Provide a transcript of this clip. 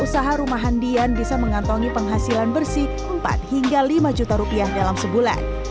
usaha rumah handian bisa mengantongi penghasilan bersih empat hingga lima juta rupiah dalam sebulan